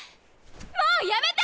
もうやめて！